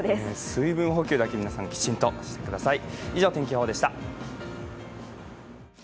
水分補給だけ皆さん、きちんとしてください。